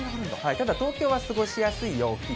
ただ、東京は過ごしやすい陽気。